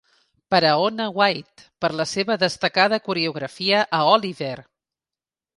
"Per a Onna White, per la seva destacada coreografia a 'Oliver'!"